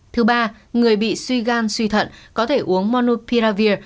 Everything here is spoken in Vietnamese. thứ ba người bị suy gan suy thận có thể uống monopiravir